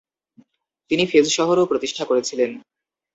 তিনি ফেজ শহরও প্রতিষ্ঠা করেছিলেন।